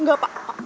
nggak pak pak